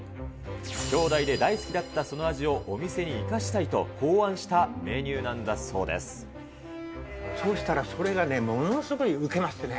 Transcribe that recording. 兄弟で大好きだったその味をお店に生かしたいと考案したメニューそうしたらそれがね、ものすごい受けましてね。